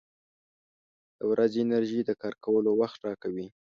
• د ورځې انرژي د کار کولو وخت راکوي.